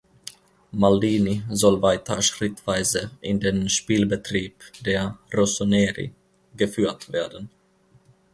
Maldini soll weiter schrittweise in den Spielbetrieb der "Rossoneri" geführt werden.